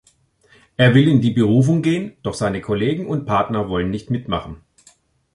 Er will in die Berufung gehen, doch seine Kollegen und Partner wollen nicht mitmachen.